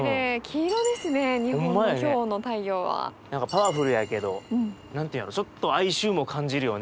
何かパワフルやけど何て言うのちょっと哀愁も感じるよね。